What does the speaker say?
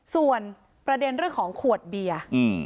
ส่วนประเด็นเรื่องของขวดเบียร์